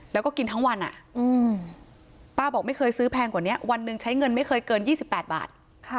แล้วก็กินทั้งวันป้าบอกไม่เคยซื้อแพงกว่านี้วันหนึ่งใช้เงินไม่เคยเกิน๒๘บาท